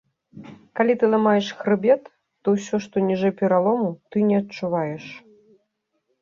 Калі ты ламаеш хрыбет, то ўсё, што ніжэй пералому, ты не адчуваеш.